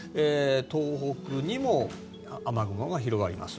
東北にも雨雲が広がります。